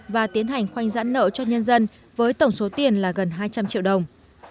và tiến hành khoanh giãn nợ cho nhân dân với tổng số tiền là gần hai trăm linh triệu đồng